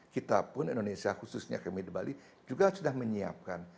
kita pun indonesia khususnya kami di bali juga sudah menyiapkan